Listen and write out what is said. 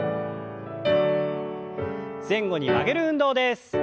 前後に曲げる運動です。